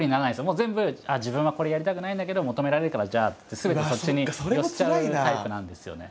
もう全部自分はこれやりたくないんだけど求められるからじゃあってすべてそっちに寄っちゃうタイプなんですよね。